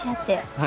はい。